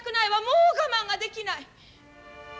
もう我慢ができない。